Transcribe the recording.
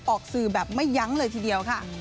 ออกสื่อแบบไม่ยั้งเลยทีเดียวค่ะ